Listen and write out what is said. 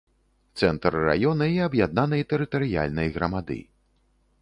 Цэнтр раёна і аб'яднанай тэрытарыяльнай грамады.